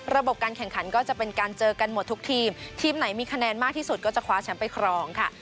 ระบบการแข่งขันก็จะเป็นการเจอกันหมดทุกทีมทีมไหนมีคะแนนมากที่สุดก็จะคว้าแชมป์ไปครองค่ะ